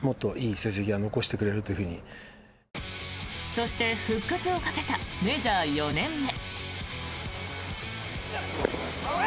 そして、復活をかけたメジャー４年目。